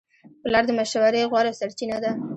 پلار د مشورې غوره سرچینه ده.